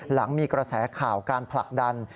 หลังมีกระแสข่าวการผลักดัน